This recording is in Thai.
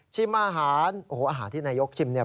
อาหารโอ้โหอาหารที่นายกชิมเนี่ย